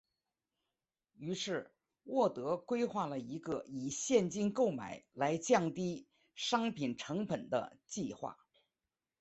于是沃德规划了一个以现金购买来降低商品成本的计划。